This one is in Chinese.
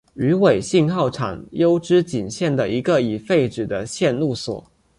羽尾信号场筱之井线的一个已废止的线路所。